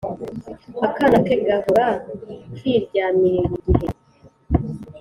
Akana ke gahora kiryamiye burigihe